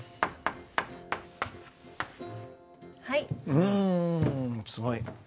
うんすごい。